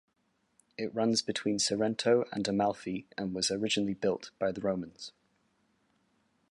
It runs between Sorrento and Amalfi and was originally built by the Romans.